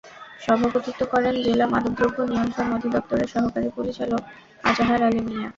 সভাপতিত্ব করেন জেলা মাদকদ্রব্য নিয়ন্ত্রণ অধিদপ্তরের সহকারী পরিচালক আজাহার আলী মিয়া।